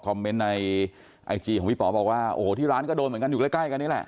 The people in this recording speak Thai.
เมนต์ในไอจีของพี่ป๋อบอกว่าโอ้โหที่ร้านก็โดนเหมือนกันอยู่ใกล้ใกล้กันนี่แหละ